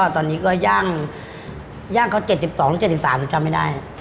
ตอนนี้ย่างเค้า๗๒และ๗๓ไม่ได้